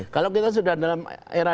kalau kita sudah dalam era